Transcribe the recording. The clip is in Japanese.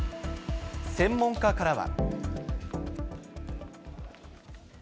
専門家からは。